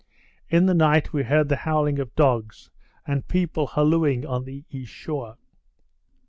In the night, we heard the howling of dogs, and people hallooing on the east shore.